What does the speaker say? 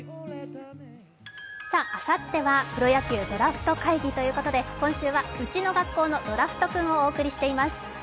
あさってはプロ野球ドラフト会議ということで、今週は「ウチの学校のドラフトくん」をお送りしています。